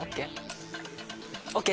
ＯＫ？